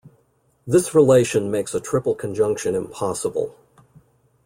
This relation makes a triple conjunction impossible.